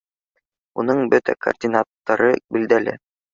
Уның бөтә координаттары билдәле